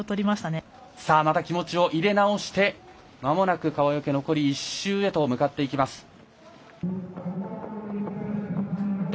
また気持ちを入れ直してまもなく川除残り１周へと向かっていきます。